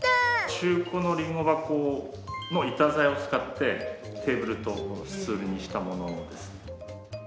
中古のりんご箱の板材を使ってテーブルとスツールにしたものです。